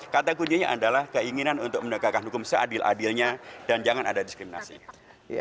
kata kuncinya adalah keinginan untuk menegakkan hukum seadil adilnya dan jangan ada diskriminasi